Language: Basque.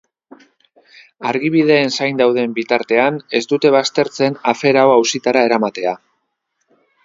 Argibideen zain dauden bitartean, ez dute baztertzen afera hau auzitara eramatea.